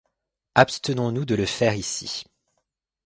Abstenons nous de le faire ici.